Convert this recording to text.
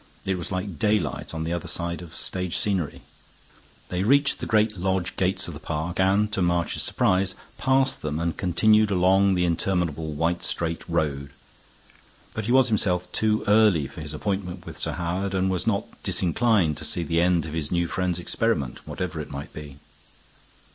It was like daylight on the other side of stage scenery. They reached the great lodge gates of the park, and, to March's surprise, passed them and continued along the interminable white, straight road. But he was himself too early for his appointment with Sir Howard, and was not disinclined to see the end of his new friend's experiment, whatever it might be.